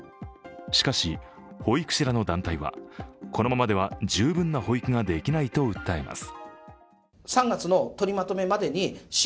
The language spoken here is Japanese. しかし、保育士らの団体はこのままでは十分な保育ができないと訴えます。